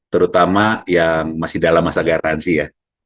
terutama yang masih dalam masa garansi ya